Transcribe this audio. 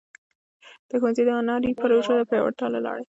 د ښونځي د هنري پروژو د پیاوړتیا له لارې.